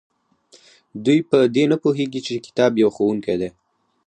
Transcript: دوی په دې نه پوهیږي چې کتاب یو ښوونکی دی.